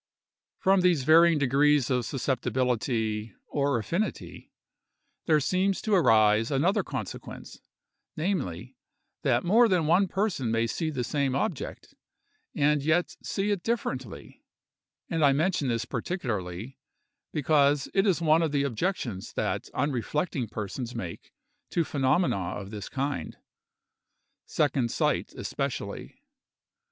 From these varying degrees of susceptibility, or affinity, there seems to arise another consequence, namely, that more than one person may see the same object, and yet see it differently, and I mention this particularly, because it is one of the objections that unreflecting persons make to phenomena of this kind, second sight especially.